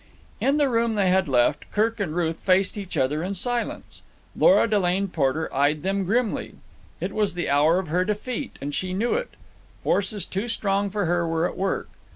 In the room they had left, Kirk and Ruth faced each other in silence. Lora Delane Porter eyed them grimly. It was the hour of her defeat, and she knew it. Forces too strong for her were at work.